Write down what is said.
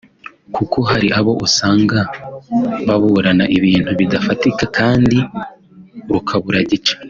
kuko hari abo usanga baburana ibintu bidafatika kandi rukabura gica